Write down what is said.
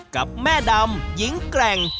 กับแม่ดำหญิงแกร่ง